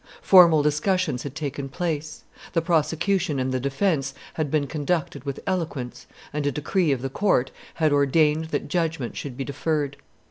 Formal discussions had taken place; the prosecution and the defence had been conducted with eloquence, and a decree of the court had ordained that judgment should be deferred.